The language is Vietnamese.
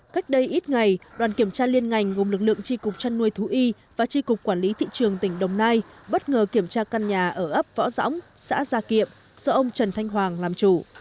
cách đây ít ngày đoàn kiểm tra liên ngành gồm lực lượng tri cục trăn nuôi thú y và tri cục quản lý thị trường tỉnh đồng nai bất ngờ kiểm tra căn nhà ở ấp võ dõng xã gia kiệm do ông trần thanh hoàng làm chủ